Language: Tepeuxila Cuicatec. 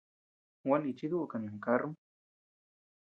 Gua nichi duʼu kanu karrum.